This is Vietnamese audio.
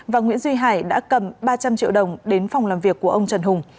và nguyễn duy hải đã cầm ba trăm linh triệu đồng đến phòng làm việc của ông trần hùng